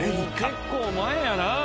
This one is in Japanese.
もう結構前やな。